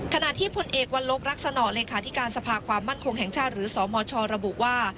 ขณะที่ผลเอกวัลลบรักษณอเลขาธิการสภาความมั่นคงแห่งชาติหรือสมชระบุว่า